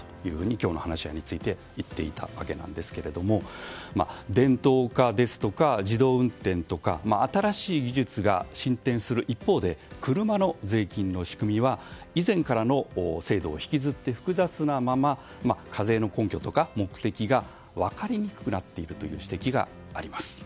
今日の話し合いについて言っていたわけですが電動化ですとか自動運転ですとか新しい技術が進展する一方で車の税金の仕組みは以前からの制度を引きずって複雑なまま課税の根拠とか目的が分かりにくくなっているという指摘があります。